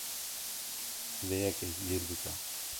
Vê yekê ji bîr bike.